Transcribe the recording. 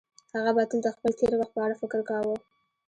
هغه به تل د خپل تېر وخت په اړه فکر کاوه.